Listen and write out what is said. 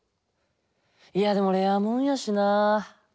いやでもレアもんやしな。